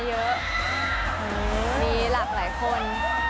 เยอะนะคะละหลายคน